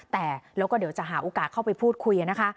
แต่แล้วก็เดี๋ยวจะหาโอกาสเข้าไปพูดคุยนะคะ